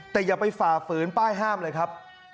แต่อย่าไปฝ่าฝืนป้ายห้ามเลยครับ